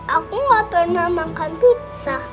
aku gak pernah makan pizza